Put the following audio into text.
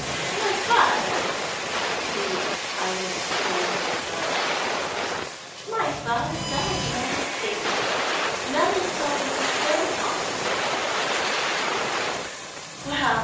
"My father!" repeated Ida, in scornful astonishment. "My father died when I was a baby. Mother's told me so often."